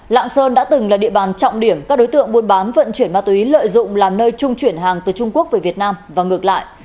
lạng sơn đã từng là địa bàn trọng điểm các đối tượng buôn bán vận chuyển ma túy lợi dụng làm nơi trung chuyển hàng từ trung quốc về việt nam và ngược lại